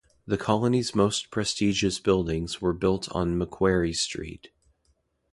The colony's most prestigious buildings were built on Macquarie Street.